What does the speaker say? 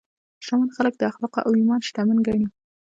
شتمن خلک د اخلاقو او ایمان شتمن ګڼي.